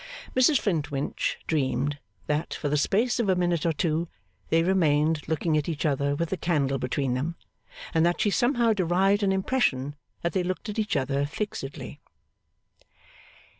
Mrs Flintwinch dreamed, that, for the space of a minute or two, they remained looking at each other with the candle between them, and that she somehow derived an impression that they looked at each other fixedly.